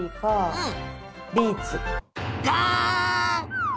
うん！